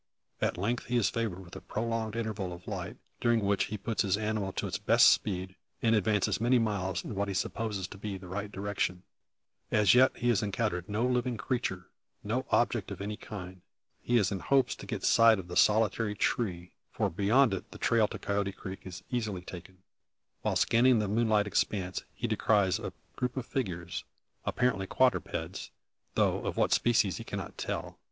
At length he is favoured with a prolonged interval of light, during which he puts his animal to its best speed, and advances many miles in what he supposes to be the right direction. As yet he has encountered no living creature, nor object of any kind. He is in hopes to get sight of the solitary tree; for beyond it the trail to Coyote Creek is easily taken. While scanning the moonlit expanse he descries a group of figures; apparently quadrupeds, though of what species he cannot tell.